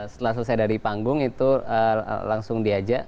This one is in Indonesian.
setelah selesai dari panggung itu langsung diajak